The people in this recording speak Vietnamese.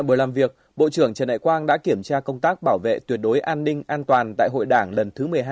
buổi làm việc bộ trưởng trần đại quang đã kiểm tra công tác bảo vệ tuyệt đối an ninh an toàn tại hội đảng lần thứ một mươi hai